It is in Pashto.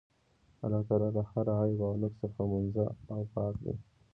الله تعالی له هر عيب او نُقص څخه منزَّه او پاك دی